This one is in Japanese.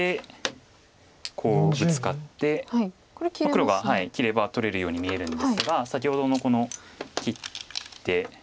黒が切れば取れるように見えるんですが先ほどのこの切って。